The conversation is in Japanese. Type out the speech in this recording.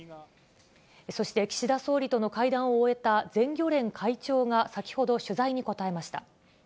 そして、岸田総理との会談を終えた全漁連会長が先ほど取材に答えました。